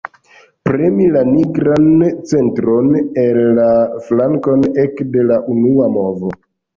Premi la nigran centron el la flankoj ekde la unua movo.